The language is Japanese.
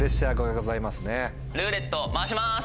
ルーレット回します！